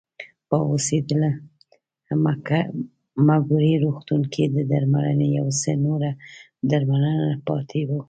په اوسپیډل مګوري روغتون کې د درملنې یو څه نوره درملنه پاتې وه.